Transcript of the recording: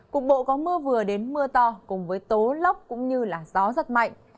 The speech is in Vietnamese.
cục bộ có mưa vừa đến mưa to cùng với tố lốc cũng như gió rất mạnh